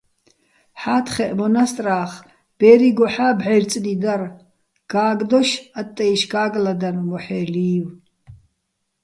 ჰ̦ა́თხეჸ მონასტრა́ხ ბე́რიგოჰ̦ა́ ბჵაჲრწნი დარ, გა́გდოშე̆ ატტაჲში̆ გა́გლადანო̆, მოჰ̦ე ლი́ვი̆.